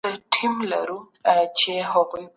په کندهار کي خوسی څنګه لوبه کيږي؟